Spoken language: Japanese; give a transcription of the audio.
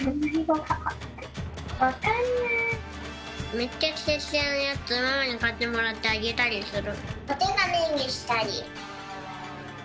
めっちゃキラキラなやつママにかってもらってあげたりする。